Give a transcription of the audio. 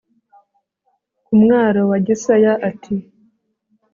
ku mwaro wa Gisaya ati